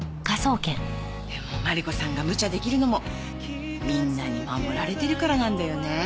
でもマリコさんがむちゃ出来るのもみんなに守られてるからなんだよね。